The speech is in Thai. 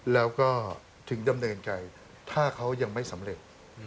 แล้วก็ถึงดำเนินการถ้าเขายังไม่สำเร็จ